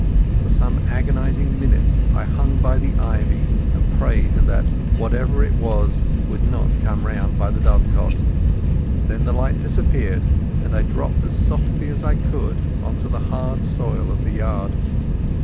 For some agonizing minutes I hung by the ivy and prayed that whoever it was would not come round by the dovecot. Then the light disappeared, and I dropped as softly as I could on to the hard soil of the yard.